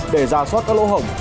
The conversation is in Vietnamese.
để ra soát các lỗ hồng